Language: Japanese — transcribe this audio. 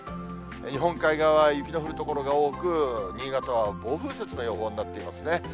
日本海側は雪の降る所が多く、新潟は暴風雪の予報になっていますね。